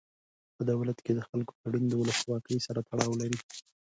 په دولت کې د خلکو ګډون د ولسواکۍ سره تړاو لري.